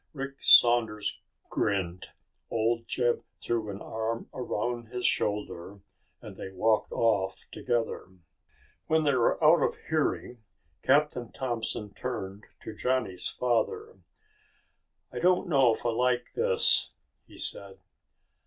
Rick Saunders grinned. Old Jeb threw an arm around his shoulder and they walked off together. When they were out of hearing Captain Thompson turned to Johnny's father. "I don't know if I like this," he said.